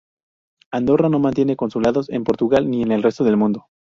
Andorra no mantiene consulados en Portugal ni en el resto del mundo.